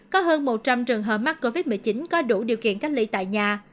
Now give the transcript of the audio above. có hơn một trăm linh trường hợp mắc covid một mươi chín có đủ điều kiện cách ly tại nhà